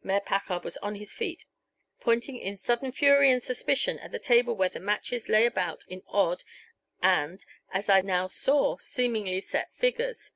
Mayor Packard was on his feet, pointing in sudden fury and suspicion at the table where the matches lay about in odd and, as I now saw, seemingly set figures.